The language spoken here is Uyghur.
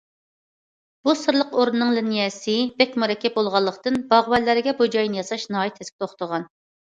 بۇ سىرلىق ئوردىنىڭ لىنىيەسى بەك مۇرەككەپ بولغانلىقتىن، باغۋەنلەرگە بۇ جاينى ياساش ناھايىتى تەسكە توختىغان.